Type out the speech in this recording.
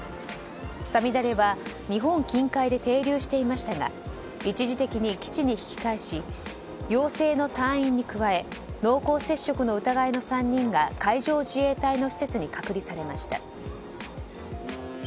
「さみだれ」は日本近海で停留していましたが一時的に基地に引き返し陽性の隊員に加え濃厚接触の疑いのある３人が海上自衛隊の施設に隔離されました。